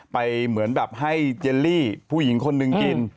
เหมือนแบบให้เจลลี่ผู้หญิงคนหนึ่งกิน